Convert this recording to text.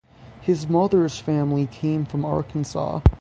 His mother's family came from Arkansas.